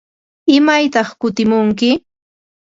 ¿Imaytaq kutimunki?